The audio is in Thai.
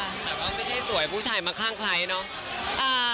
แต่ว่าไม่ใช่สวยผู้ชายมาคลั่งใครเนอะ